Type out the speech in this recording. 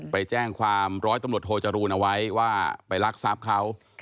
ไปแจ้งความร้อยตำรวจโทจรูนเอาไว้ว่าไปรักทรัพย์เขา